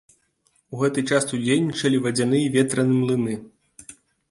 У гэты час тут дзейнічалі вадзяны і ветраны млыны.